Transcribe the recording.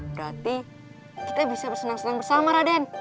berarti kita bisa bersenang senang bersama raden